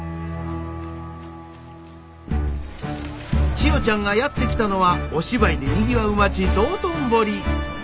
千代ちゃんがやって来たのはお芝居で賑わう街道頓堀。